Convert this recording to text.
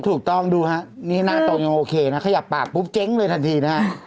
ถูกต้องดูฮะนี่หน้าตนยังโอเคนะขยับปากปุ๊บเจ๊งเลยทันทีนะฮะ